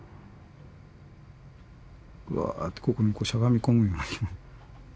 わってここにしゃがみ込むようにね。